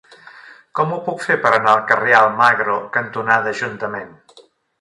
Com ho puc fer per anar al carrer Almagro cantonada Ajuntament?